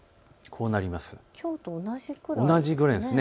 きょうと同じぐらいです。